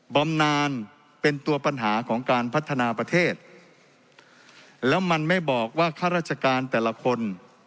บำนานเป็นตัวปัญหาของการพัฒนาประเทศแล้วมันไม่บอกว่าข้าราชการแต่ละคน